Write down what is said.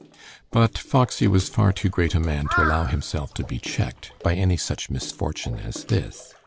But Foxy was far too great a man to allow himself to be checked by any such misfortune as this.